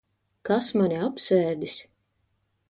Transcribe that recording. Kas mani apsēdis?